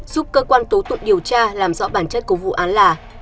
giúp cơ quan tố tụng điều tra làm rõ bản chất của vụ án là